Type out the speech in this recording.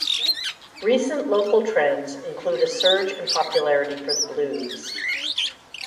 Recent, local trends include a surge in popularity for the blues.